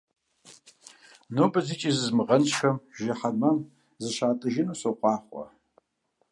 Нобэ зыкӀи зызмыгъэнщӀхэм жыхьэнмэм зыщатӀыжыну сохъуахъуэ!